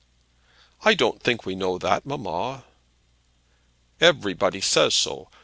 "I don't think we know that, mamma." "Everybody says so.